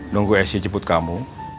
nunggu esi jeput kamu